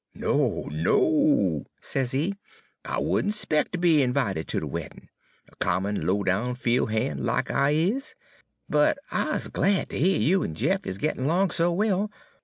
"'No, no!' sezee, 'I would n' 'spec' ter be 'vited ter de weddin', a common, low down fiel' han' lack I is. But I's glad ter heah you en Jeff is gittin' 'long so well.